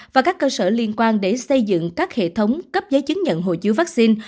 và các cơ sở liên quan để xây dựng các hệ thống cấp giấy chứng nhận hộ chiếu vaccine